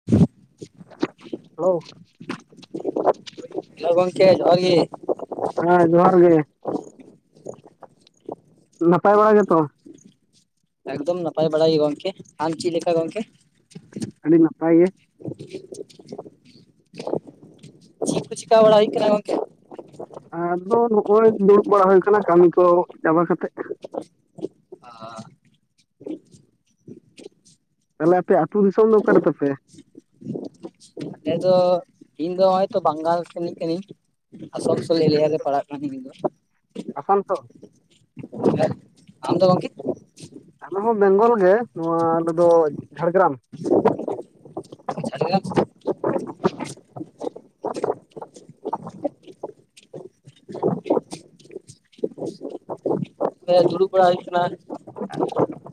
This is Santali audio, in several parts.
[inaudible] ᱦᱮᱞᱳ ᱾ ᱦᱮᱞᱳ ᱜᱚᱝᱠᱮ ᱡᱟᱦᱟᱨ ᱜᱮ ᱾ ᱦᱮᱸ ᱡᱚᱦᱟᱨ ᱜᱮ ᱾ ᱱᱟᱯᱟᱭ ᱵᱟᱲᱟ ᱜᱮᱛᱚ? ᱮᱠᱫᱚᱢ ᱱᱟᱯᱟᱭ ᱵᱟᱲᱟᱭ ᱜᱮ ᱜᱚᱝᱠᱮ ᱾ ᱟᱢ ᱪᱤ ᱞᱮᱠᱟ ᱜᱚᱝᱠᱮ? ᱟᱹᱰᱤ ᱱᱟᱯᱟᱭ ᱜᱮ ᱾ ᱪᱤᱠᱩ ᱪᱤᱠᱟ ᱵᱟᱲᱟ ᱦᱩᱭᱩᱜ ᱠᱟᱱᱟ ᱜᱚᱝᱠᱮ? ᱟᱫᱚ ᱱᱚᱜᱼᱚᱭ ᱫᱩᱲᱩᱵ ᱵᱟᱲᱟ ᱦᱩᱭ ᱟᱠᱟᱱᱟ ᱠᱟᱹᱢᱤ ᱠᱚ ᱪᱟᱵᱟ ᱠᱟᱛᱮᱜ ᱾ [inaudible] ᱚᱸ ᱾ ᱛᱟᱦᱚᱞᱮ ᱟᱯᱮ ᱟᱹᱛᱩ ᱫᱤᱥᱚᱢ ᱫᱚ ᱚᱠᱟᱨᱮ ᱛᱟᱯᱮ? ᱟᱞᱮ ᱫᱚ ᱤᱧ ᱫᱚ ᱱᱚᱜ-ᱚᱭ ᱛᱚ ᱵᱟᱝᱜᱟᱞ ᱥᱮᱱᱤᱡ ᱠᱟᱹᱱᱟᱹᱧ ᱾ ᱟᱥᱟᱱᱥᱚᱞ ᱮᱨᱤᱭᱟ ᱨᱮ ᱯᱟᱲᱟᱜ ᱠᱟᱹᱱᱤᱧ ᱤᱧ ᱫᱚ ᱾ ᱟᱥᱟᱱᱥᱳᱞ? ᱟᱢ ᱫᱚ ᱜᱚᱝᱠᱮ? ᱟᱞᱮ ᱦᱚᱸ ᱵᱮᱝᱜᱚᱞ ᱜᱮ ᱱᱚᱣᱟ ᱟᱞᱮ ᱫᱚ ᱡᱷᱟᱲᱜᱨᱟᱢ ᱾ ᱡᱷᱟᱲᱜᱨᱟᱢ [unintelligible] [unintelligible] ᱜᱚᱝᱠᱮ ᱫᱩᱲᱩᱵ ᱵᱟᱲᱟ ᱦᱩᱭ ᱠᱟᱱᱟ ᱾ [inaudible]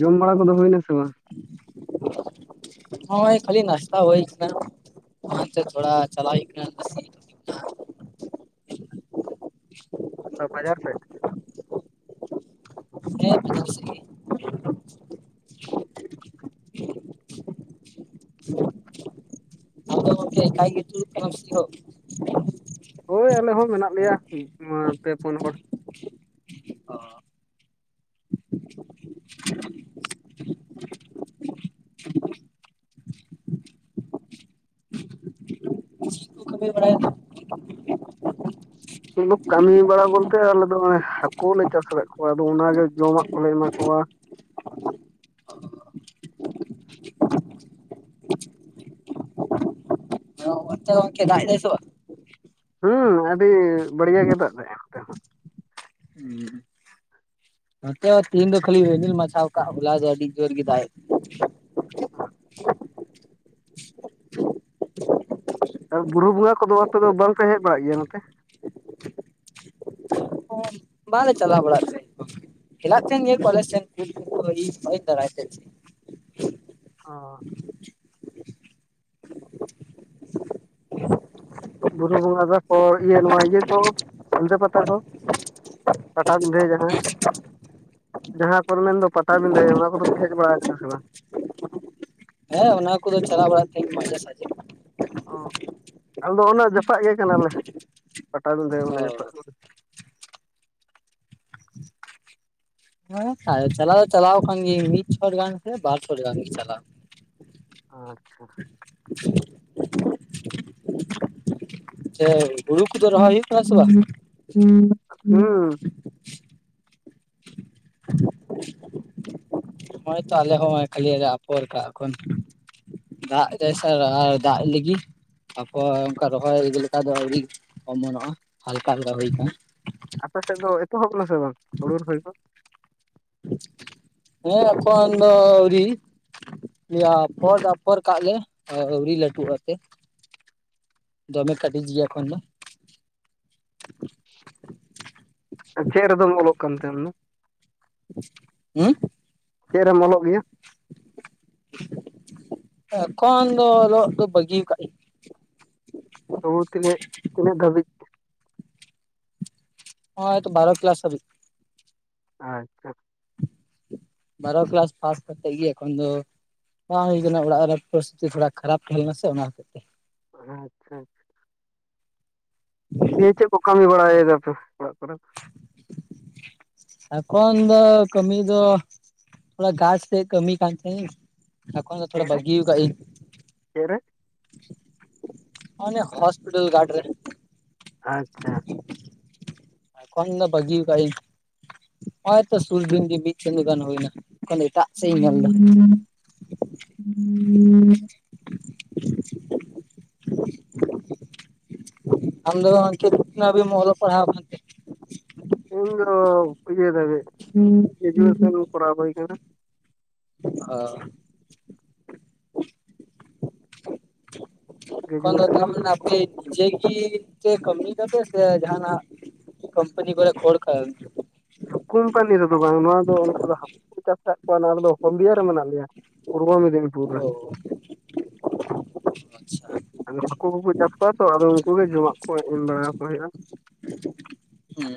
ᱡᱚᱢ ᱵᱟᱲᱟ ᱠᱚᱫᱚ ᱦᱩᱭ ᱱᱟ ᱥᱮ ᱵᱟᱝ? ᱱᱚᱜᱼᱚᱭ ᱠᱷᱟᱹᱞᱤ ᱱᱟᱥᱛᱟ ᱦᱩᱭ ᱠᱟᱱᱟ ᱚᱱᱟ ᱛᱮ ᱛᱷᱚᱲᱟ ᱪᱟᱞᱟᱣ ᱦᱩᱭᱩᱜ ᱠᱟᱱᱟ ᱚᱱᱛᱮ [unintelligible] ᱵᱟᱡᱟᱨ ᱥᱮᱫ? ᱦᱮᱸ ᱵᱟᱡᱟᱨ ᱥᱮᱜ ᱜᱤ ᱾ [unintelligible] ᱟᱢ ᱫᱚ ᱜᱚᱝᱠᱮ ᱮᱠᱟᱭ ᱜᱮ ᱛᱩᱲᱩ ᱠᱟᱱᱟ ᱥᱤ ᱦᱳ ᱦᱳᱭ ᱟᱞᱮ ᱦᱚᱸ ᱢᱮᱱᱟᱜ ᱞᱮᱭᱟ ᱱᱚᱣᱟ ᱯᱮ ᱯᱩᱱ ᱦᱚᱲ ᱾ ᱠᱩ [unintelligible] [inaudible] ᱠᱟᱹᱢᱤ ᱵᱟᱲᱟ ᱵᱚᱞᱛᱮ ᱟᱞᱮ ᱫᱚ ᱦᱚᱜᱼᱚᱭ ᱦᱟᱹᱠᱩ ᱞᱮ ᱪᱟᱥ ᱟᱠᱟᱫ ᱠᱚᱣᱟ ᱟᱫᱚ ᱚᱱᱟᱜᱮ ᱡᱚᱢᱟᱜ ᱠᱚᱞᱮ ᱮᱢᱟ ᱠᱚᱣᱟ ᱾ ᱚᱱᱛᱮ ᱜᱚᱝᱠᱮ ᱫᱟᱜ ᱫᱟᱭ ᱥᱮ ᱵᱟᱝ? ᱦᱩᱸ ᱟᱹᱰᱤ ᱵᱟᱲᱭᱟ ᱜᱮ ᱫᱟᱜ ᱫᱟᱭ ᱱᱚᱛᱮ ᱦᱚᱸ ᱾ ᱦᱩᱸ ᱾ ᱱᱚᱛᱮ ᱦᱚᱸ ᱛᱤᱦᱤᱧ ᱫᱚ ᱠᱷᱟᱞᱤ ᱨᱤᱢᱤᱞ ᱢᱟᱪᱷᱟᱣ ᱠᱟᱜ ᱦᱚᱞᱟ ᱟᱹᱰᱤ ᱡᱳᱨ ᱜᱤ ᱫᱟᱜ [unintelligible] ᱟᱨ ᱵᱩᱨᱩ ᱵᱚᱸᱜᱟ ᱠᱚᱫᱚ ᱟᱯᱮ ᱫᱚ ᱵᱟᱝ ᱯᱮ ᱦᱮᱡ ᱵᱟᱲᱟᱜ ᱜᱮᱭᱟ ᱱᱚᱛᱮ? ᱛᱟᱦᱮᱸᱫ᱾ ᱵᱟᱞᱮ ᱪᱟᱞᱟᱣ ᱵᱟᱲᱟᱜ ᱛᱟᱦᱮ ᱜᱚᱝᱠᱮ ᱾ ᱦᱮᱞᱟᱜ ᱛᱟᱦᱮᱱ ᱜᱮᱭᱟ ᱠᱚ ᱟᱞᱮ ᱥᱮᱱ [unintelligible] ᱵᱟᱭᱤᱠ ᱫᱟᱨᱟᱭ ᱛᱮ [unintelligible] ᱚ ᱾ ᱵᱩᱨᱩ ᱵᱚᱸᱜᱟ ᱛᱟᱯᱚᱨ ᱤᱭᱟᱹ ᱱᱚᱣᱟ ᱤᱭᱟᱹ ᱠᱚ ᱥᱤᱞᱫᱟᱹ ᱯᱟᱛᱟ ᱠᱚ ᱯᱟᱴᱟᱵᱤᱸᱫᱷᱟᱹ ᱡᱟᱦᱟᱸ [inaudible] ᱡᱟᱦᱟᱸ ᱠᱚ ᱢᱮᱱᱫᱚ ᱯᱟᱴᱟᱵᱤᱸᱷᱟᱹ ᱱᱚᱣᱟ ᱠᱚᱫᱚ ᱯᱮ ᱦᱮᱡ ᱵᱟᱲᱟ ᱠᱟᱱᱟ ᱥᱮ ᱵᱟᱝ? ᱦᱮᱸ ᱚᱱᱟ ᱠᱚᱫᱚ ᱪᱟᱞᱟᱣ ᱵᱟᱲᱟᱜ ᱛᱤᱧ ᱢᱟᱡᱷᱮ ᱥᱟᱸᱡᱮ ᱚ, ᱟᱞᱮ ᱫᱚ ᱚᱱᱟ ᱡᱟᱯᱟᱜ ᱜᱮ ᱠᱟᱱᱟᱞᱮ ᱯᱟᱴᱟᱵᱤᱸᱫᱷᱟᱹ ᱚ ᱚᱱᱟ ᱡᱟᱯᱟᱜ ᱠᱚᱨᱮ ᱦᱮᱸ ᱪᱟᱞᱟᱣ ᱪᱟᱞᱟᱣ ᱟᱠᱟᱱ ᱜᱤᱭᱟᱹᱧ ᱢᱤᱫ ᱪᱷᱚᱴ ᱜᱟᱱ ᱥᱮ ᱵᱟᱨ ᱪᱷᱚᱴ ᱜᱟᱱ ᱜᱤᱧ ᱪᱟᱞᱟᱣ ᱟᱪᱪᱷᱟ᱾ [unintelligible] ᱨᱚᱦᱚᱭ ᱦᱩᱭᱩᱜ ᱠᱟᱱᱟ ᱥᱮ ᱵᱟᱝ [unintelligible] ᱦᱚᱸᱜᱼᱚᱭ ᱛᱚ ᱟᱞᱮ [unintelligible] ᱟᱯᱷᱚᱨ ᱠᱟᱜ-ᱟ ᱠᱷᱚᱱ ᱫᱟᱜ ᱫᱟᱭ ᱥᱟᱨ ᱟᱨ ᱫᱟᱜ ᱞᱤᱜᱤ ᱛᱟᱯᱚᱨ ᱚᱱᱠᱟ ᱨᱚᱦᱚᱭ ᱤᱫᱤ ᱞᱮᱠᱟ ᱫᱚ ᱟᱹᱰᱤ ᱚᱢᱚᱱᱚᱜᱼᱟ ᱦᱟᱞᱠᱟ ᱦᱟᱞᱠᱟ ᱦᱩᱭ ᱠᱟᱱᱟ ᱟᱯᱮ ᱥᱮᱫ ᱫᱚ ᱮᱛᱚᱦᱚᱵ ᱱᱟ ᱥᱮ ᱵᱟᱝ ᱦᱩᱲᱩ ᱨᱚᱦᱚᱭ ᱠᱚ? ᱦᱮᱸ ᱮᱠᱷᱚᱱ ᱫᱚ ᱟᱹᱣᱨᱤ? ᱫᱤᱭᱮ ᱟᱯᱷᱚᱨ ᱟᱯᱷᱚᱨ ᱠᱟᱜ ᱞᱮ ᱟᱹᱣᱨᱤ ᱞᱟᱹᱴᱩᱜᱼᱟ ᱥᱮ᱾ ᱫᱚᱢᱮ ᱠᱟᱹᱴᱤᱡ ᱜᱮᱭᱟ ᱮᱠᱷᱚᱱ ᱫᱚ᱾ ᱪᱮᱫ ᱨᱮᱫᱚᱢ ᱚᱞᱚᱜ ᱠᱟᱱᱛᱮ ᱟᱢᱫᱚ? [inaudible] ᱦᱩᱸ? ᱪᱮᱜ ᱨᱮᱢ ᱚᱞᱚᱜ ᱜᱮᱭᱟ? ᱮᱠᱷᱚᱱ ᱫᱚ ᱚᱞᱚᱜ ᱫᱚ ᱵᱟᱹᱜᱤᱣ ᱠᱟᱜ ᱤᱧ᱾ ᱛᱚᱵᱩ ᱛᱤᱱᱟᱹᱜ ᱛᱤᱱᱟᱹᱜ ᱫᱷᱟᱹᱵᱤᱡ? ᱦᱚᱸᱜᱚᱭ ᱛᱚ ᱵᱟᱨᱚ ᱠᱞᱟᱥ ᱦᱟᱵᱤᱡ᱾ ᱟᱪᱪᱷᱟ᱾ ᱵᱟᱨᱚ ᱠᱞᱟᱥ ᱯᱷᱟᱥ ᱠᱟᱛᱮ ᱤᱭᱟᱹ ᱮᱠᱷᱚᱱ ᱫᱚ ᱵᱟᱝ ᱦᱩᱭ ᱠᱟᱱᱟ ᱚᱲᱟᱜ ᱨᱮ ᱯᱚᱨᱤᱥᱛᱷᱤᱛᱤ ᱛᱷᱚᱲᱟ ᱠᱷᱟᱨᱟᱯ ᱛᱟᱦᱮᱸ ᱞᱮᱱᱟ ᱥᱮ ᱚᱱᱟ ᱦᱚᱛᱮᱡ ᱛᱮ᱾ ᱦᱩᱸ ᱫᱤᱭᱮ ᱪᱮᱫ ᱠᱚ ᱠᱟᱹᱢᱤ ᱵᱟᱲᱟᱭ ᱫᱟᱯᱮ ᱚᱲᱟᱜ ᱠᱚᱨᱮ? ᱮᱠᱷᱚᱱ ᱫᱚ ᱠᱟᱹᱢᱤ ᱫᱚ ᱛᱷᱚᱲᱟ ᱜᱷᱟᱪ ᱥᱮᱫ ᱠᱟᱹᱢᱤ ᱠᱟᱱ ᱛᱤᱧ ᱮᱠᱷᱚᱱ ᱫᱚ ᱪᱮᱫ ᱛᱷᱚᱲᱟ ᱨᱮ ᱵᱟᱹᱜᱤᱣ ᱠᱟᱜ ᱤᱧ᱾ ᱪᱮᱫ ᱨᱮ ᱚᱱᱮ ᱦᱚᱸᱥᱯᱤᱴᱟᱞ ᱜᱟᱰ ᱨᱮ᱾ ᱟᱪᱪᱷᱟ᱾ ᱠᱷᱚᱱ ᱫᱚ ᱵᱟᱜᱤᱣ ᱠᱟᱜ ᱤᱧ ᱦᱚᱸᱜ-ᱚᱭ ᱛᱚ ᱥᱩᱨ ᱫᱤᱱ ᱜᱮ ᱢᱤᱫ ᱪᱟᱸᱫᱚ ᱜᱟᱱ ᱦᱩᱭᱱᱟ᱾ ᱮᱠᱷᱚᱱ ᱫᱚ ᱮᱴᱟᱜ ᱥᱮᱜ ᱤᱧ ᱧᱮᱞᱫᱟ ᱦᱩᱸᱻ ᱟᱢ ᱫᱚ ᱜᱚᱝᱠᱮ ᱛᱤᱱᱟᱹᱜ ᱦᱟᱹᱵᱤᱡ ᱮᱢ ᱯᱟᱲᱦᱟᱣ ᱠᱟᱱᱛᱮ? ᱤᱧ ᱫᱚ ᱤᱭᱟᱹ ᱫᱷᱟᱹᱵᱤᱡ [unintelligible] ᱮᱰᱩᱠᱮᱥᱚᱱ ᱠᱚᱨᱟᱣ ᱦᱩᱭ ᱠᱟᱱᱟ᱾ ᱚ ᱜᱨᱮᱡᱩᱭᱮᱥᱚᱱ ᱫᱷᱟᱹᱵᱤᱡ ᱜᱮ ᱠᱚᱨᱟᱣ ᱦᱩᱭ [unintelligible] ᱠᱟᱱᱟ᱾ ᱪᱮᱜ ᱜᱤ ᱪᱮᱜ ᱠᱟᱹᱢᱤᱭ ᱫᱟᱯᱮ ᱥᱮ ᱡᱟᱸᱦᱱᱟᱜ ᱠᱚᱢᱯᱟᱱᱤ ᱠᱚᱨᱮ ᱠᱷᱳᱲ ᱠᱟᱭ ᱢᱮ᱾ ᱠᱩᱢᱯᱟᱱᱤ ᱨᱮᱫᱚ ᱵᱟᱝ, ᱱᱚᱣᱟ ᱫᱚ ᱱᱚᱛᱮ ᱫᱚ ᱦᱟᱹᱠᱩ ᱠᱚ ᱪᱟᱥ ᱠᱟᱜ ᱠᱚᱣᱟ ᱱᱚᱣᱟ ᱨᱮᱫᱚ ᱦᱚᱞᱫᱤᱭᱟ ᱨᱮ ᱢᱮᱱᱟᱜ ᱞᱮᱭᱟ᱾ ᱯᱩᱨᱵᱚ ᱢᱮᱫᱤᱱᱤᱯᱩᱨ ᱨᱮ᱾ ᱚ ᱟᱪᱪᱷᱟ ᱟᱫᱚ ᱦᱟᱠᱩ ᱠᱚᱠᱚ ᱪᱟᱥ ᱠᱚᱣᱟ ᱛᱚ, ᱟᱫᱚ ᱩᱝᱠᱩ ᱜᱮ ᱡᱚᱢᱟᱜ ᱠᱚ ᱮᱢ ᱵᱟᱲᱟ ᱟᱠᱚ ᱦᱩᱭᱩᱜᱼᱟ᱾ ᱦᱩᱸ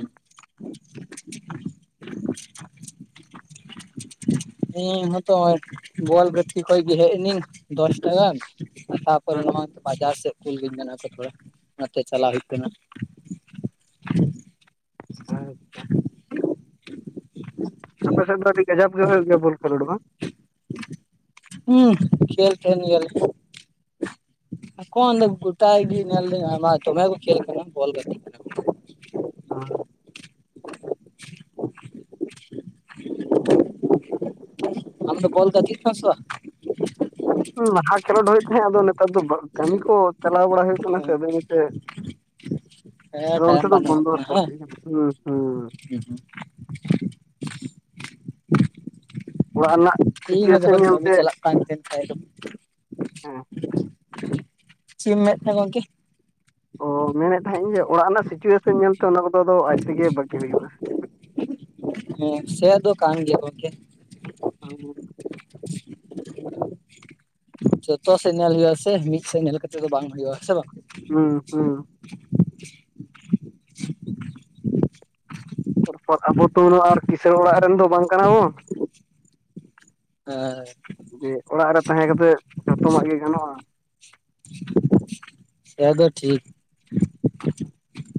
ᱤᱧ ᱦᱚᱸᱛᱚ ᱵᱚᱞ ᱜᱟᱹᱛᱤ ᱠᱷᱚᱱ ᱜᱮ ᱦᱮᱡ ᱮᱱᱟᱹᱧ ᱫᱚᱥᱴᱟ ᱜᱟᱱ᱾ ᱛᱟᱯᱚᱨᱮ ᱱᱚᱜ-ᱚᱭ ᱛᱚ ᱵᱟᱡᱟᱨ ᱥᱮᱫ᱾ [unintelligible] ᱛᱷᱚᱲᱟ ᱚᱱᱟᱛᱮ ᱪᱟᱞᱟᱣ ᱦᱩᱭᱩᱜ ᱠᱟᱱᱟ᱾ ᱟᱨ [unintelligible] ᱟᱯᱮ ᱥᱮᱫ ᱫᱚ ᱟᱹᱰᱤ ᱠᱟᱡᱟᱠ ᱜᱮ ᱦᱩᱭᱩᱜ ᱜᱮᱭᱟ ᱵᱚᱞ ᱠᱷᱮᱞᱳᱰ ᱵᱟᱝ? ᱦᱩᱸ ᱠᱷᱮᱹᱞ ᱠᱟᱱ ᱜᱮᱭᱟᱞᱮ᱾ ᱮᱠᱷᱚᱱ ᱫᱚ ᱜᱚᱴᱟ ᱜᱤ ᱧᱮᱞ ᱫᱟᱹᱧ ᱟᱭᱢᱟ ᱫᱚᱢᱮ ᱠᱚ ᱠᱷᱮᱹᱞ ᱠᱟᱱᱟ ᱵᱚᱞ ᱜᱟᱹᱛᱤᱜ ᱠᱟᱱᱟ ᱠᱚ᱾ ᱦᱚᱸ᱾ [inaudible] ᱟᱢ ᱫᱚ ᱵᱚᱞ ᱜᱟᱹᱛᱤᱜ ᱠᱟᱱᱟᱢ ᱥᱮ ᱵᱟ? ᱞᱟᱦᱟ ᱠᱷᱮᱞᱳᱰ ᱦᱩᱭᱩᱜ ᱛᱟᱦᱮᱸᱫ ᱟᱫᱚ ᱱᱮᱛᱟᱨ ᱫᱚ ᱠᱟᱹᱢᱤ ᱠᱚ ᱪᱟᱞᱟᱣ ᱵᱟᱲᱟ ᱦᱩᱭᱩᱜ ᱠᱟᱱᱟ ᱥᱮ ᱵᱟᱝ? ᱟᱫᱚ ᱤᱱᱟᱹᱛᱮ ᱟᱫᱚ ᱦᱮᱸ ᱚᱱᱛᱮ ᱴᱟᱭᱤᱢ ᱫᱚ ᱵᱟᱹᱱᱩᱜᱚᱜ ᱵᱚᱱᱫᱚ ᱠᱟᱱᱟ ᱦᱟᱛᱟᱲ ᱦᱮᱸ ᱦᱩᱭ ᱟᱠᱟᱱᱟ ᱦᱩᱸ ᱦᱩᱸ ᱾ [inaudible] [inaudible] ᱚᱲᱟᱜ ᱨᱮᱱᱟᱜ ᱤᱧ ᱦᱚᱸ ᱥᱤᱪᱩᱭᱮᱥᱚᱱ ᱡᱚᱠᱷᱚᱱ ᱧᱮᱞᱛᱮ ᱾ [unintelligible] [unintelligible] ᱪᱮᱫ ᱮᱢ ᱞᱟᱹᱭ ᱮᱫ ᱛᱟᱦᱮᱫ ᱜᱚᱝᱠᱮ? ᱚ ᱢᱮᱱᱮᱫ ᱛᱟᱦᱮ ᱤᱧ ᱡᱮ ᱚᱲᱟᱜ ᱨᱮᱱᱟᱜ ᱥᱤᱪᱩᱭᱮᱥᱮᱱ ᱧᱮᱞᱛᱮ ᱚᱱᱟ ᱠᱚᱫᱚ ᱟᱫᱚ ᱟᱡ ᱛᱮᱜᱮ ᱵᱟᱹᱜᱤ ᱦᱩᱭᱩᱜᱼᱟ ᱾ ᱦᱮᱸ ᱥᱮ ᱫᱚ ᱠᱟᱱ ᱜᱮᱭᱟ ᱜᱚᱢᱠᱮ ᱾ [inaudible] ᱡᱚᱛᱚ ᱥᱮᱫ ᱧᱮᱞ ᱦᱩᱭᱩᱜᱼᱟ ᱥᱮ ᱢᱤᱫ ᱥᱮᱫ ᱧᱮᱞ ᱠᱟᱛᱮᱫ ᱫᱚ ᱵᱟᱝ ᱦᱩᱭᱩᱜᱼᱟ ᱥᱮ ᱵᱟᱝ? ᱦᱩᱸ ᱦᱩᱸ ᱾ ᱛᱟᱨᱯᱚᱨ ᱟᱵᱚ ᱛᱚ ᱱᱚᱣᱟ ᱠᱤᱥᱟᱹᱬ ᱚᱲᱟᱜ ᱨᱮᱱ ᱫᱚ ᱵᱟᱝ ᱠᱟᱱᱟ ᱵᱚᱱ, ᱦᱮᱸ ᱡᱮ ᱚᱲᱟᱜ ᱨᱮ ᱛᱟᱦᱮᱸ ᱠᱟᱛᱮ ᱡᱚᱛᱚᱱᱟᱜ ᱜᱮ ᱜᱟᱱᱚᱜᱼᱟ ᱾ ᱮ ᱫᱚ ᱴᱷᱤᱠ ᱾ [unintelligible]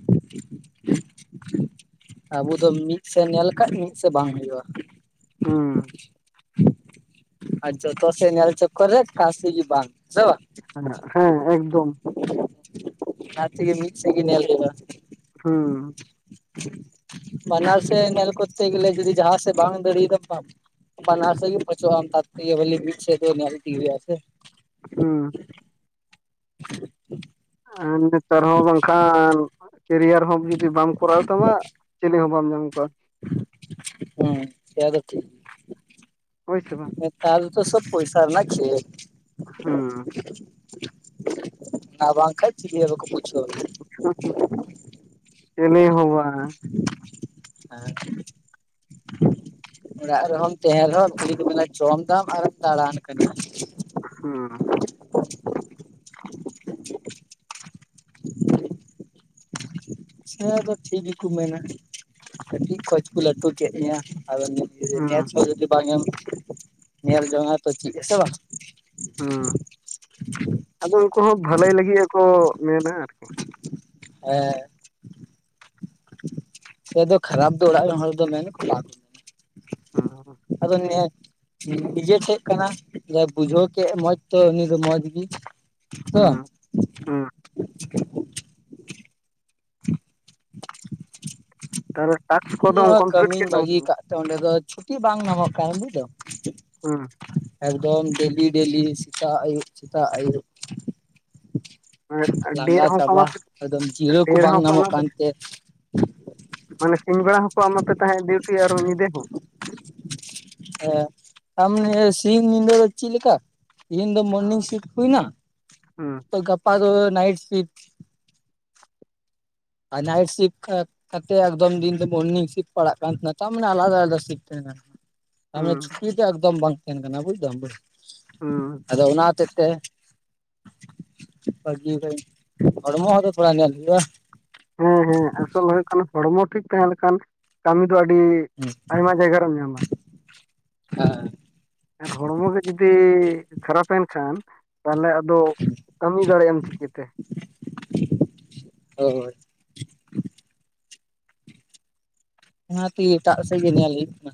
ᱟᱵᱚ ᱫᱚ ᱢᱤᱫᱥᱮᱫ ᱧᱮᱞ ᱞᱮᱠᱟ ᱢᱤᱫᱥᱮᱫ ᱵᱟᱝ ᱦᱩᱭᱩᱜᱼᱟ ᱾ ᱦᱩᱸ ᱾ ᱟᱪᱚ ᱡᱚᱛᱚ ᱥᱮ ᱧᱮᱞ ᱪᱚᱠᱚᱨ ᱨᱮ [unintelligible] ᱵᱟᱝ ᱦᱮ ᱵᱟᱝ? ᱦᱮᱸ ᱦᱮᱸ ᱮᱠᱫᱚᱢ ᱾ ᱚᱱᱟ ᱛᱮᱜᱮ ᱢᱤᱫ ᱥᱮᱡ ᱜᱮ ᱧᱮᱞ ᱠᱮᱫᱟ ᱾ ᱦᱩᱸ ᱾ ᱵᱟᱱᱟᱨ ᱥᱮᱫ ᱧᱮᱞ ᱠᱚᱛᱮ ᱜᱮᱞᱮ ᱡᱩᱫᱤ ᱡᱟᱦᱟᱸ ᱥᱮᱫ ᱵᱟᱝ ᱫᱟᱲᱮᱭᱟᱫᱟᱢ ᱵᱟᱝ [unintelligible] ᱦᱩᱸ ᱾ ᱮᱸ ᱱᱮᱛᱟᱨ ᱦᱚᱸ ᱵᱟᱝᱠᱷᱟᱱ ᱠᱮᱨᱤᱭᱟᱨ ᱦᱚᱸ ᱡᱩᱫᱤ ᱵᱟᱢ ᱠᱚᱨᱟᱣ ᱛᱟᱢᱟ ᱪᱤᱞᱤ ᱦᱚᱸ ᱵᱟᱢ ᱧᱟᱢ ᱠᱚᱣᱟ ᱾ ᱦᱩᱸ ᱥᱮᱫᱚ ᱴᱷᱤᱠ ᱾ ᱦᱚᱭ ᱥᱮ ᱵᱟᱝ? ᱛᱟᱦᱚᱞᱮ ᱛᱚ ᱥᱚᱵ ᱯᱚᱭᱥᱟ ᱨᱮᱱᱟᱜ ᱠᱷᱮᱞ ᱾ ᱦᱩᱸ ᱾ ᱟᱨ ᱵᱟᱝ ᱠᱷᱟᱱ ᱪᱤᱞᱤ ᱦᱚ ᱵᱟᱠᱚ ᱯᱩᱪᱷᱣᱟ ᱾ [unintelligible] ᱪᱮᱞᱤ ᱞᱟᱹᱭ ᱦᱚ ᱵᱟᱝ ᱾ ᱦᱮᱸ ᱚᱲᱟᱜ ᱨᱮᱦᱚᱸᱢ ᱛᱟᱦᱮᱱ ᱨᱮᱦᱚᱸ ᱠᱷᱟᱹᱞᱤ ᱠᱚ ᱢᱮᱱᱟ ᱡᱚᱢ ᱫᱟᱢ ᱟᱨᱮᱢ ᱫᱟᱲᱟᱱ ᱠᱟᱱᱟ ᱾ ᱦᱩᱸ ᱾ ᱦᱮᱸ ᱟᱫᱚ ᱴᱷᱤᱠ ᱜᱮᱠᱚ ᱢᱮᱱᱟ ᱠᱟᱹᱴᱤᱡ ᱠᱷᱚᱡ ᱠᱚ ᱞᱟᱹᱴᱩ ᱠᱮᱫ ᱢᱮᱭᱟ ᱟᱫᱚ ᱱᱤᱛ ᱦᱩᱸ [unintelligible] ᱦᱚᱸ ᱡᱩᱫᱤ ᱵᱟᱝ ᱮᱢ ᱧᱮᱞ ᱡᱚᱝᱟ ᱛᱚ ᱪᱤᱫ ᱟᱥᱮ ᱵᱟᱝ? ᱦᱩᱸ, ᱟᱫᱚ ᱩᱱᱠᱩ ᱦᱚᱸ ᱵᱷᱟᱹᱞᱟᱹᱭ ᱞᱟᱹᱜᱤᱫ ᱜᱮᱠᱚ ᱢᱮᱱᱟ ᱟᱨᱠᱤ ᱾ ᱦᱮ ᱯᱮᱫᱚ ᱠᱷᱟᱨᱟᱯ ᱫᱚ ᱚᱲᱟᱜ ᱨᱮᱱ ᱦᱚᱲ ᱫᱚ ᱢᱮᱱᱟ [unintelligible] ᱦᱩᱸ ᱟᱫᱚᱱᱮ ᱱᱤᱡᱮᱴᱷᱮᱡ ᱠᱟᱱᱟ ᱡᱟᱭ ᱵᱩᱡᱷᱟᱹᱣ ᱠᱮᱫ ᱢᱚᱸᱡᱽ ᱛᱚ ᱩᱱᱤ ᱫᱚ ᱢᱚᱸᱡᱽ ᱜᱤ ᱾ ᱦᱮᱸᱥᱮ ᱵᱟᱝ? ᱦᱩᱸ ᱦᱩᱸ ᱛᱟᱦᱚᱞᱮ ᱴᱟᱠᱥ ᱤᱧ ᱠᱚᱫᱚᱢ ᱦᱚᱸ ᱠᱚᱢᱯᱞᱤᱴ ᱠᱟᱹᱢᱤᱧ ᱠᱮᱫ ᱛᱟᱢᱟ ᱥᱮ ᱵᱟᱹᱜᱤ ᱠᱟᱜ ᱛᱮ ᱚᱸᱰᱮ ᱫᱚ ᱪᱷᱩᱴᱤ ᱵᱟᱝ ᱧᱟᱢᱚᱜ ᱠᱟᱱᱟ ᱵᱩᱡᱟᱹᱣ ᱵᱟᱝ? ᱮᱠᱫᱚᱢ ᱰᱮᱞᱤ ᱰᱮᱞᱤ ᱥᱮᱛᱟᱜ ᱟᱹᱭᱩᱵ ᱥᱮᱛᱟᱜ ᱟᱹᱭᱩᱵ ᱾ ᱦᱮᱸ ᱰᱮ ᱞᱟᱸᱜᱟ ᱨᱮᱦᱚᱸ ᱠᱚ ᱮᱢᱟ ᱪᱟᱵᱟ ᱯᱮ ᱮᱠᱫᱚᱢ ᱡᱤᱨᱟᱹ ᱠᱚ ᱰᱮ ᱵᱟᱝ ᱨᱮᱦᱚᱸ ᱧᱟᱢᱚᱜ ᱮᱢᱟ ᱯᱮ ᱠᱟᱱᱛᱮ ᱢᱟᱱᱮ ᱥᱤᱧ ᱵᱮᱲᱟ ᱦᱚᱸᱠᱚ ᱮᱢᱟ ᱯᱮ ᱛᱟᱦᱮᱸᱫ ᱰᱤᱭᱩᱴᱤ ᱟᱨᱚ ᱧᱤᱫᱮ ᱦᱚᱸ? ᱦᱮᱸ ᱟᱢ ᱱᱤᱭᱟᱹ ᱥᱤᱧ ᱧᱤᱫᱟᱹ ᱪᱤᱫ ᱞᱮᱠᱟ? ᱛᱤᱦᱤᱧ ᱫᱚ ᱢᱚᱨᱱᱤᱝ ᱥᱤᱯᱴ ᱦᱩᱭᱱᱟ ᱦᱩᱸ ᱛᱚ ᱜᱟᱯᱟ ᱫᱚ ᱱᱟᱭᱤᱴ ᱥᱤᱯᱴ ᱟᱨ ᱱᱟᱭᱤᱴ ᱥᱤᱯᱴ ᱠᱟᱛᱮᱫ ᱮᱠᱫᱚᱢ ᱫᱤᱱ ᱫᱚ ᱢᱚᱨᱱᱤᱝ ᱥᱤᱯᱴ ᱯᱟᱲᱟᱜ ᱠᱟᱱ ᱛᱟᱦᱮᱱᱟ ᱛᱟᱨ ᱢᱟᱱᱮ ᱟᱞᱟᱫᱟ ᱟᱞᱟᱫᱟ ᱥᱤᱯᱴ ᱛᱟᱦᱮᱸᱱᱟ ᱾ [inaudible] ᱛᱟᱨᱢᱟᱱᱮ ᱪᱷᱩᱴᱤ ᱫᱚ ᱮᱠᱫᱚᱢ ᱵᱟᱝ ᱛᱟᱦᱮᱱ ᱠᱟᱱᱟ ᱵᱩᱡᱫᱟᱢ, ᱦᱩᱸ ᱟᱫᱚ ᱚᱱᱟ ᱦᱚᱛᱮᱜ ᱛᱮ ᱵᱟᱜᱤ ᱠᱟᱹᱫᱟᱧ ᱦᱚᱲᱢᱚᱸ ᱛᱚ ᱛᱷᱚᱲᱟ ᱱᱮᱞ ᱦᱞᱭᱩᱜᱼᱟ ᱾ ᱦᱮᱸ ᱦᱮᱸ ᱟᱥᱚᱞ ᱦᱩᱭᱩᱜ ᱠᱟᱱᱟ ᱦᱚᱲᱢᱚ ᱴᱷᱤᱠ ᱛᱟᱦᱮᱸ ᱞᱮᱱᱠᱷᱟᱱ ᱠᱟᱹᱢᱤ ᱫᱚ ᱟᱹᱰᱤ ᱟᱭᱢᱟ ᱡᱟᱭᱜᱟ ᱨᱮᱢ ᱧᱟᱢᱟ᱾ ᱦᱮ ᱟᱨ ᱦᱚᱲᱢᱚ ᱜᱮ ᱡᱩᱫᱤ ᱠᱷᱟᱨᱟᱯ ᱮᱱ ᱠᱷᱟᱱ ᱛᱟᱦᱚᱞᱮ ᱟᱫᱚ ᱠᱟᱹᱢᱤ ᱫᱟᱲᱮᱭᱟᱢ ᱪᱤᱠᱟᱹᱛᱮ? ᱦᱚᱭ ᱚᱱᱟᱛᱮ ᱮᱴᱟᱜ ᱥᱮᱫ ᱜᱮ ᱧᱮᱞ ᱦᱩᱭᱩᱜ ᱠᱟᱱᱟ,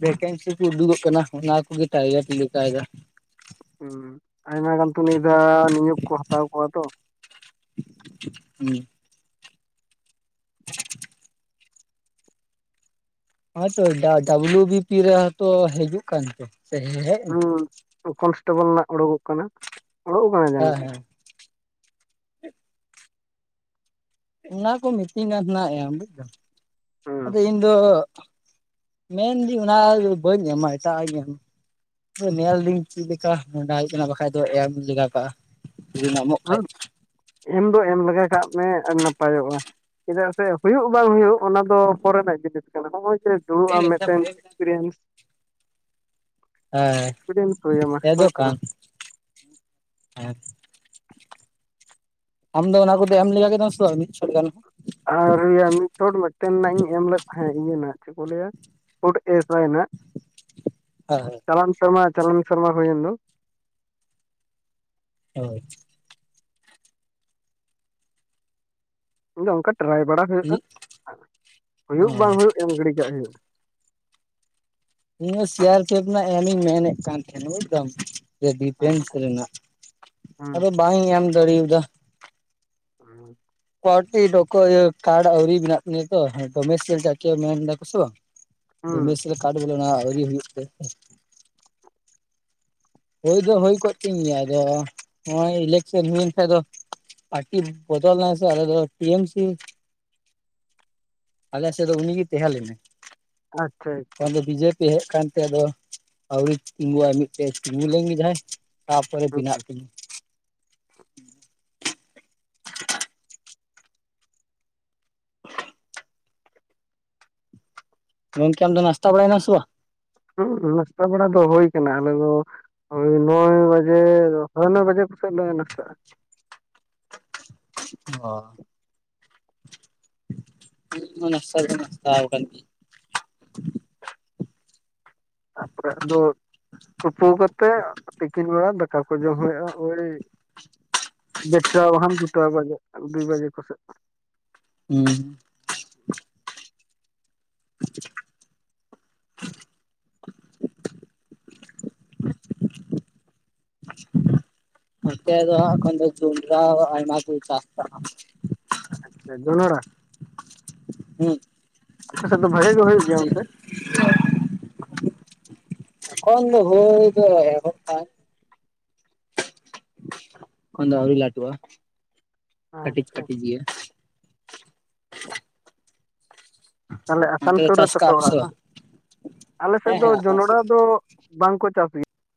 ᱵᱷᱮᱠᱮᱱᱥᱤ ᱠᱩ‌ ᱩᱰᱩᱜᱚᱜ ᱠᱟᱱᱟ ᱚᱱᱟ ᱠᱚᱜᱮ ᱴᱟᱨᱜᱮᱴ ‌ᱞᱮᱜᱟᱭ ᱫᱟ᱾ ᱦᱩᱸ ᱟᱭᱢᱟ ᱜᱟᱱ ᱛᱚ ᱱᱤᱭᱟᱹ ᱫᱷᱟᱣ ᱱᱤᱭᱳᱠ ᱠᱚ ᱦᱟᱛᱟᱣ ᱠᱚᱣᱟ ᱛᱚ᱾ ᱦᱩᱸ᱾ ᱱᱚᱭ-ᱛᱚ ᱫᱟᱜ ᱫᱟ ᱵᱩᱞᱩ ᱵᱤᱯᱤ ᱨᱮ ᱦᱟᱸ ᱛᱚ ᱦᱮᱡᱩᱜ ᱠᱟᱱᱟ ᱛᱚ ᱥᱮ ᱦᱮᱡᱼᱼ ᱦᱩᱸᱠᱚᱱᱥᱴᱮᱵᱚᱞ ᱨᱮᱱᱟᱜ ᱚᱲᱩᱠᱚᱜ ᱠᱟᱱᱟ, ᱚᱲᱩᱠ ᱠᱟᱱᱟ ᱡᱟᱹᱱᱤᱡ᱾ ᱚᱱᱟ ᱠᱚ ᱢᱤᱛᱤᱧ ᱠᱟᱱ ᱛᱟᱦᱮᱱᱟ ᱮᱢ‌ ᱵᱩᱡᱽ ᱫᱟᱢ‌ ᱦᱩᱸ ᱟᱫᱚ ᱤᱧ ᱫᱚ ᱚᱜᱼᱼ ᱢᱮᱱ ᱫᱤᱧ ᱚᱱᱟ ᱵᱟᱹᱧ ᱮᱢᱟ ᱮᱴᱟᱜ ᱟᱜ ᱤᱧ ᱮᱢᱟ᱾ ᱟᱫᱚ ᱱᱮᱞ ᱫᱤᱧ ᱪᱤᱫ ᱞᱮᱠᱟ ᱱᱚᱰᱟ ᱦᱩᱭᱩᱜ ᱠᱟᱱᱟ ᱵᱟᱠᱷᱟᱡ ᱫᱚ ᱮᱢ ᱞᱮᱜᱟ ᱠᱟᱜ-ᱟ ᱡᱩᱫᱤᱢ ᱱᱟᱢᱚᱜ ᱦᱩᱸ ᱠᱷᱟᱡᱼᱼ ᱮᱢ ᱫᱚ ᱮᱢ ᱞᱮᱜᱟ ᱠᱟᱜ ᱢᱮ ᱟᱨ ᱱᱟᱯᱟᱭᱚᱜ-ᱟ᱾ ᱪᱮᱫᱟᱜ ᱥᱮ ᱦᱩᱭᱩᱜ ᱵᱟᱝ ᱦᱩᱭᱩᱜ ᱚᱱᱟ ᱫᱚ ᱯᱚᱨᱮᱱᱟᱜ ᱛᱮᱱᱟ ᱡᱤᱱᱤᱥ ᱠᱟᱱᱟ ᱦᱚᱸᱜ-ᱚᱭ ᱡᱮᱼᱼ ᱫᱩᱲᱩᱵ ᱟᱢ ᱦᱮᱸ ᱢᱤᱫᱴᱮᱱ ᱮᱠᱥᱯᱨᱤᱭᱮᱱᱥᱼᱼ ᱦᱩᱭᱟᱢᱟ ᱦᱳᱭ ᱥᱮ ᱵᱟᱝ [unintelligible] ᱟᱢ ᱫᱚ ᱚᱱᱟ ᱠᱚᱫᱚ ᱮᱢ ᱞᱮᱜᱟ ᱠᱮᱫᱟᱢ ᱥᱮ ᱵᱟᱝ ᱢᱤᱫ ᱪᱷᱚᱴ ‌ᱜᱟᱱ ᱦᱚᱸ? ᱟᱣᱨᱤ‌ ᱭᱟ ᱢᱤᱫ ᱪᱷᱚᱴ ᱢᱤᱫᱴᱮᱱ ᱱᱟᱜ ᱤᱧ ᱮᱢ ᱞᱮᱫ ᱛᱟᱦᱮᱸᱜ ᱤᱭᱟᱹ ᱱᱟᱦᱟᱸᱜ ᱪᱮᱜ ᱠᱚ ᱞᱟᱹᱭᱟ᱾ ᱯᱷᱩᱰ ᱮᱥ ᱟᱭ ᱱᱟᱦᱟᱸᱜ᱾ [unintelligible] ᱪᱟᱞᱟᱱ ᱥᱮᱨᱢᱟ ᱪᱟᱞᱚᱱ ᱥᱮᱨᱢᱟ ᱦᱩᱭᱮᱱ ᱫᱚ᱾ [unintelligible] ᱤᱧ ᱫᱚ ᱚᱱᱠᱟ ᱴᱨᱟᱭ ᱵᱟᱲᱟ ᱦᱩᱭᱩᱜ-ᱟ ᱦᱩᱭᱩᱜ ᱵᱟᱝ ᱦᱳᱭ ᱦᱩᱭᱩᱜ ᱮᱢ ᱜᱤᱰᱤ ᱠᱟᱜ ᱦᱩᱭᱩᱜ-ᱟ᱾ ᱤᱧᱦᱚᱸ ᱥᱤ ᱭᱟᱨ ᱠᱮᱯᱷ ᱨᱮᱱᱟᱜ ᱮᱢ ᱤᱧ ᱢᱮᱱᱮᱜ ᱠᱟᱱ ᱛᱷᱮᱱᱟ ᱵᱩᱡᱽ ᱫᱟᱢ᱾ ᱡᱮ ᱰᱤᱯᱷᱮᱱᱥ ᱨᱮᱱᱟᱜ ᱦᱩᱸ ᱟᱫᱚ ᱵᱟᱧ ᱮᱢ ᱫᱟᱹᱲᱤᱣ ᱫᱟ᱾ [unintelligible] ᱠᱚᱴᱤ ᱰᱚᱠᱚ ᱤᱭᱟᱹ ᱠᱟᱨᱰ ᱟᱹᱣᱨᱤ ᱵᱤᱱᱟᱜ ᱛᱤᱧᱟᱹ ᱛᱚ ᱦᱚᱭ ᱛᱚ ᱢᱮᱥᱮ‌ ᱪᱟ ᱠᱤ ᱢᱮᱱ ᱫᱟ ᱠᱩ ᱥᱚ᱾ ᱫᱚ ᱦᱩᱸ ᱢᱮᱥ ᱨᱮ ᱠᱟᱰ ᱵᱚᱞᱮ ᱚᱱᱟ ᱟᱣᱨᱤ ᱦᱩᱭᱩᱜ ᱛᱮ ᱦᱚᱭ᱾ ᱦᱩᱭ ᱫᱚ ᱦᱩᱭ ᱠᱚᱜ ᱛᱤᱧ ᱜᱮᱭᱟ ᱟᱫᱚ ᱱᱚᱜ-ᱚᱭ ᱤᱞᱮᱠᱥᱮᱱ ᱦᱩᱭᱮᱱ ᱠᱷᱟᱡ ᱫᱚᱼᱼ ᱯᱟᱴᱤ ᱵᱚᱫᱚᱞ ᱱᱟᱭ ᱥᱮ ᱟᱞᱮ ‌ᱫᱚ ᱴᱤᱭᱮᱢ ᱥᱤᱼᱼ ᱟᱞᱮ ᱥᱮᱜ ᱫᱚ ᱩᱱᱤ ᱜᱤ ᱛᱮᱦᱮᱸ ᱞᱮᱱᱟᱭ᱾ ᱟᱪᱪᱷᱟ ᱟᱪᱪᱷᱟ ᱮᱷᱚᱱ ᱫᱚ ᱵᱤᱡᱮᱯᱤ ᱦᱮᱡ ᱠᱟᱱ ᱛᱮ ᱟᱫᱚ ᱟᱣᱨᱤ ᱛᱤᱸᱜᱩᱣᱟᱜ ᱢᱤᱫᱴᱮᱡᱼᱼ [inaudible] ᱦᱩᱸ ᱜᱚᱝᱠᱮ ᱟᱢ ᱫᱚ ᱱᱟᱥᱛᱟ ᱵᱟᱲᱟᱭ ᱱᱟᱢ ᱥᱮᱵᱟ? ᱦᱩᱸ ᱱᱟᱥᱛᱟ ᱵᱟᱲᱟ ᱫᱚ ᱦᱚᱭ ᱠᱟᱱᱟ, ᱟᱞᱮ ᱫᱚᱼᱼ ᱳᱭ ᱱᱚᱭ ᱵᱟᱡᱮ ᱥᱟᱲᱮ ᱱᱚᱭ ᱵᱟᱡᱮ ᱥᱮᱫ ᱞᱮ ᱱᱟᱥᱛᱟᱜ-ᱟ᱾ ᱚ ᱤᱧ ᱦᱚᱸ ᱱᱟᱥᱛᱟ ᱫᱚ ᱱᱟᱥᱛᱟᱣ ᱠᱟᱱ ᱜᱤᱭᱟᱹᱧ᱾ ᱛᱟᱯᱚᱨᱮ ᱟᱫᱚ ᱛᱩᱯᱩ ᱠᱟᱛᱮᱜ ᱛᱤᱠᱤᱱ ᱵᱮᱲᱟ ᱫᱟᱠᱟ ᱠᱩ ᱡᱚᱢ ᱦᱩᱭᱩᱜ-ᱟ ᱳᱭᱼᱼ ᱰᱮᱴᱴᱟ ᱵᱟᱠᱷᱟᱱ ᱫᱩᱴᱟ ᱵᱟᱡᱟ-ᱟ, ᱫᱩᱭ ᱵᱟᱡᱮ ᱠᱚᱥᱮᱜ ᱱᱟ᱾ ᱦᱩᱸ᱾ [unintelligible] ᱱᱚᱛᱮ ᱫᱚ ᱦᱟᱸᱜ ᱮᱠᱷᱚᱱ ᱫᱚ ᱡᱩᱱᱰᱨᱟ ᱟᱭᱢᱟ ᱠᱚ ᱪᱟᱥ ᱠᱟᱜ-ᱟ ᱦᱟᱸᱜ᱾ ᱟᱪᱪᱷᱟ ᱡᱚᱱᱚᱲᱟ, ᱦᱩᱸ ᱟᱯᱮ ᱥᱮᱜ ᱫᱚ ᱵᱷᱟᱜᱮ ᱜᱮ ᱦᱩᱭᱩᱜ ᱜᱮᱭᱟ ᱚᱱᱛᱮ? ᱮᱠᱷᱚᱱ ᱫᱚ ᱦᱳᱭ ᱫᱚ ᱮᱦᱚᱵ ᱮᱠᱷᱚᱱ ᱫᱚ ᱟᱣᱨᱤ ᱞᱟᱴᱩᱜ-ᱟ ᱠᱟᱹᱴᱤᱡ ᱟᱪᱪᱷᱟ ᱠᱟᱹᱴᱤᱡ ᱜᱮᱭᱟ᱾ ᱛᱟᱦᱮᱞᱮ ᱟᱥᱟᱱ ᱚᱱᱛᱮ ᱫᱚ ᱥᱳᱨ ᱪᱟᱥ ᱨᱮᱛᱟ ᱯᱮ ᱠᱟᱜᱼᱟ ᱚᱲᱟᱜ ᱥᱮ ᱵᱟᱝ ᱟᱞᱮ ᱥᱮᱫ ᱦᱮᱸ ᱫᱚ ᱦᱮᱸ ᱟᱥᱟᱢ ᱡᱚᱱᱚᱲᱟ ᱥᱮᱫ ᱫᱚᱼᱼ ᱵᱟᱝ ᱠᱚ ᱪᱟᱥ ᱜᱤᱼᱼ